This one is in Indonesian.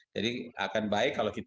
jadi akan baik kalau gitu